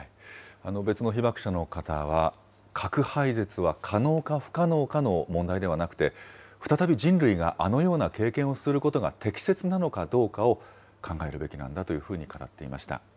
別の被爆者の方は、核廃絶は可能か不可能かの問題ではなくて、再び人類があのような経験をすることが適切なのかどうかを考えるべきなんだというふうに語っていました。